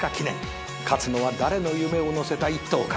勝つのは誰の夢を乗せた１頭か？